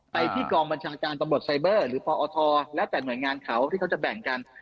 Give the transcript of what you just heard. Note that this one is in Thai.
ไปที่กองบัญชาการตำรวจไซเบอร์หรือปอทและแต่หน่วยงานเขาที่เขาจะแบ่งกัน